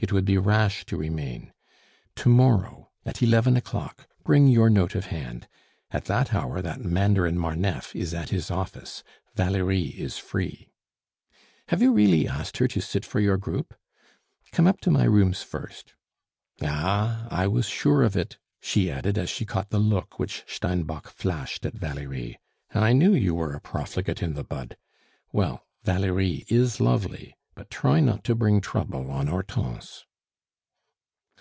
It would be rash to remain. To morrow at eleven o'clock bring your note of hand; at that hour that mandarin Marneffe is at his office, Valerie is free. Have you really asked her to sit for your group? Come up to my rooms first. Ah! I was sure of it," she added, as she caught the look which Steinbock flashed at Valerie, "I knew you were a profligate in the bud! Well, Valerie is lovely but try not to bring trouble on Hortense."